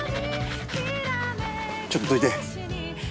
◆ちょっとどいて。